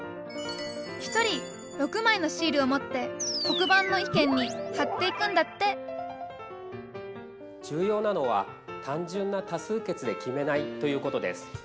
１人６枚のシールを持って黒板の意見に貼っていくんだって重要なのは単純な多数決で決めないということです。